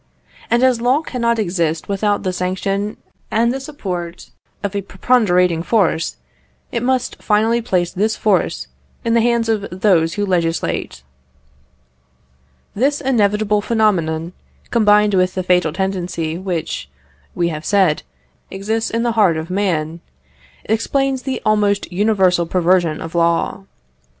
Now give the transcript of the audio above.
And as law cannot exist without the sanction and the support of a preponderating force, it must finally place this force in the hands of those who legislate. This inevitable phenomenon, combined with the fatal tendency which, we have said, exists in the heart of man, explains the almost universal perversion of law.